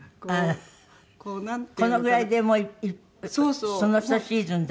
このぐらいでもうそのひとシーズン大丈夫？